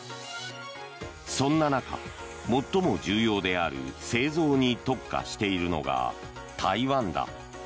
そんな中、最も重要である製造に特化しているのが台湾だ。